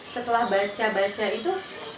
setelah baca baca itu